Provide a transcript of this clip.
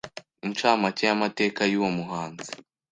Incamake y’amateka yuwo muhanzi